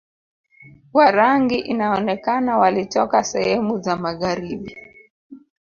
Warangi inaonekana walitoka sehemu za magharibi